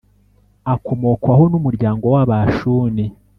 akomokwaho n’ umuryango w ‘Abashuni.